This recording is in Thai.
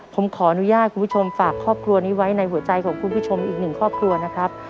ผมขออนุญาตคุณผู้ชมฝากครอบครัวนี้ไว้ในหัวใจของคุณผู้ชมอีกหนึ่งครอบครัวนะครับ